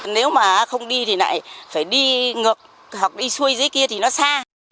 nếu mà không đi thì lại phải đi ngược học đi xuôi dưới kia thì nó xa